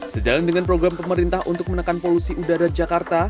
sejalan dengan program pemerintah untuk menekan polusi udara jakarta